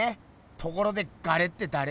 ところでガレってだれ？